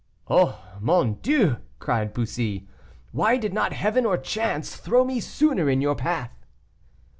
"Oh! mon Dieu!" cried Bussy, "why did not Heaven, or chance, throw me sooner in your path?"